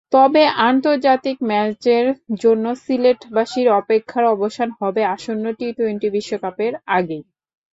তবে আন্তর্জাতিক ম্যাচের জন্য সিলেটবাসীর অপেক্ষার অবসান হবে আসন্ন টি-টোয়েন্টি বিশ্বকাপের আগেই।